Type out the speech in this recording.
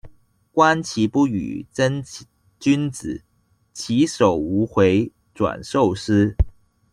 觀棋不語真君子，起手無回轉壽司